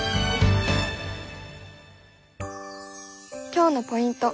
今日のポイント